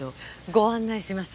ご案内します。